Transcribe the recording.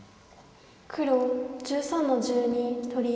黒１３の十二取り。